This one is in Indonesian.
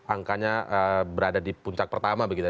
angkanya berada di puncak pertama begitu ya